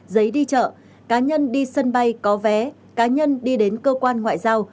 giấy đi chợ cá nhân đi sân bay có vé cá nhân đi đến cơ quan ngoại giao